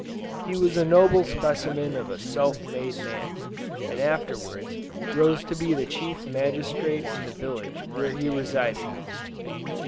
He was a noble specimen of a self made man, and afterwards rose to be the chief magistrate in the village where he resided.